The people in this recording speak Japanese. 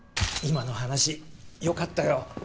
今の話よかったよ。